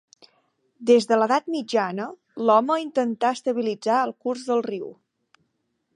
Des de l'edat mitjana l'home intentà estabilitzar el curs del riu.